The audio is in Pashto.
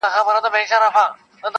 • بې پروا سي بس له خپلو قریبانو,